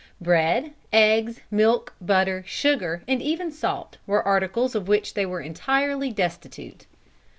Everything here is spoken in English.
Bread, eggs, milk, butter, sugar, and even salt, were articles of which they were entirely destitute.